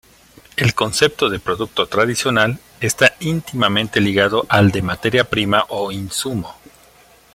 El concepto de "producto tradicional" está íntimamente ligado al de "materia prima" o insumo.